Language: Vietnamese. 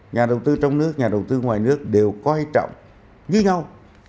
nhà đầu tư trong nước nhà đầu tư ngoài nước đều coi trọng như nhau